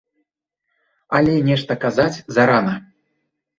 Але нешта казаць зарана.